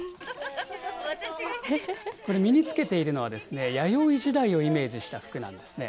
これ、身に着けているのは、弥生時代をイメージした服なんですね。